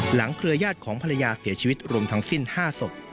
เครือญาติของภรรยาเสียชีวิตรวมทั้งสิ้น๕ศพ